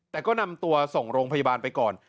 แต่ก็นำตัวส่งโรงพยาบาลไปก่อน